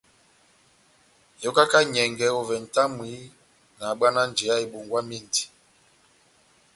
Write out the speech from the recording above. Yokaka enyɛngɛ ovɛ nʼtamwi nahabwana njeya ebongwamindi.